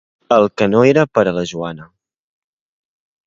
El que no era per a la Joana.